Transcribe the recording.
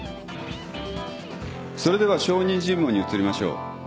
それでは証人尋問に移りましょう。